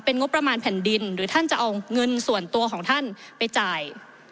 งบประมาณแผ่นดินหรือท่านจะเอาเงินส่วนตัวของท่านไปจ่าย